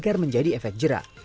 agar menjadi efek jerak